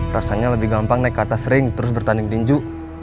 rasanya lebih gampang naik ke atas ring terus bertanding tinju